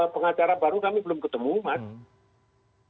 pengacara baru kami belum ketemu mas